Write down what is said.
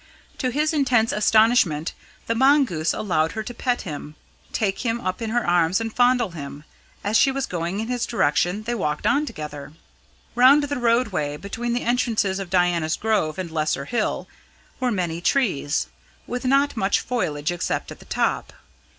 To his intense astonishment the mongoose allowed her to pet him, take him up in her arms and fondle him. As she was going in his direction, they walked on together. Round the roadway between the entrances of Diana's Grove and Lesser Hill were many trees, with not much foliage except at the top.